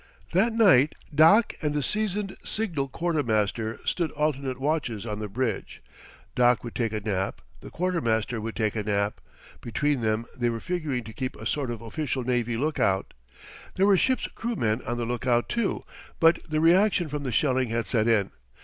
That night Doc and the seasoned signal quartermaster stood alternate watches on the bridge. Doc would take a nap; the quartermaster would take a nap; between them they were figuring to keep a sort of official navy lookout. There were ship's crew men on the lookout too, but the reaction from the shelling had set in.